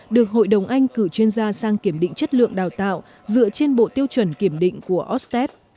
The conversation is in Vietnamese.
được hội đồng anh cử chuyên gia sang kiểm định chất lượng đào tạo dựa trên bộ tiêu chuẩn kiểm định của ostep